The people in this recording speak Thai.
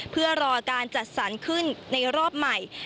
เพื่อรอการจัดสรรขึ้นในรอบใหม่